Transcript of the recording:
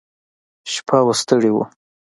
شپه وه ستړي وو.